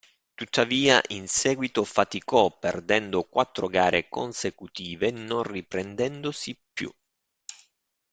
Tuttavia in seguito faticò perdendo quattro gare consecutive, non riprendendosi più.